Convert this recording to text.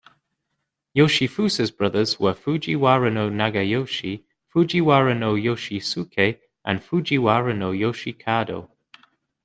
Yoshifusa's brothers were Fujiwara no Nagayoshi, Fujiwara no Yoshisuke and Fujiwara no Yoshikado.